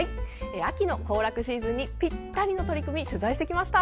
秋の行楽シーズンにぴったりの取り組みを取材してきました。